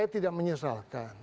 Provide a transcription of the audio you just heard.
saya tidak menyesalkan